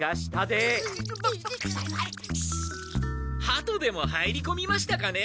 ハトでも入りこみましたかね。